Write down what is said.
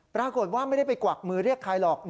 ปรากฏว่าไม่ได้ไปกวักมือเรียกใครหรอก